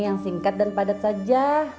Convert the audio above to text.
yang singkat dan padat saja